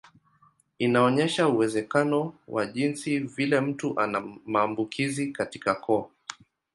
Inaonyesha uwezekano wa jinsi vile mtu ana maambukizi katika koo.